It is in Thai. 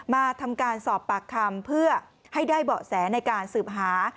มาทำการสอบปากคำเพื่อให้ได้เบาะแสในการสืบหา